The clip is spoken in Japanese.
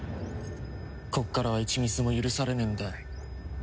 こっからは１ミスも許されねえんだよ。